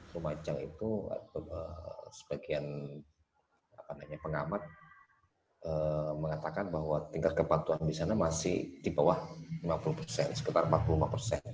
lumajang itu sebagian pengamat mengatakan bahwa tingkat kepatuhan di sana masih di bawah lima puluh persen sekitar empat puluh lima persen